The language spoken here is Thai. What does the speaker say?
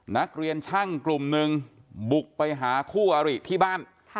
นักเรียนช่างกลุ่มหนึ่งบุกไปหาคู่อริที่บ้าน